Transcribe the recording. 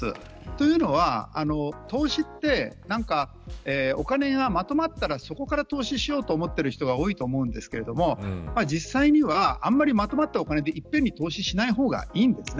というのは投資ってお金がまとまったらそこから投資しようと思っている人が多いと思いますが実際には、あんまりまとまったお金でいっぺんに投資しない方がいいです。